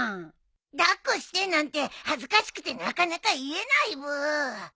抱っこしてなんて恥ずかしくてなかなか言えないブー。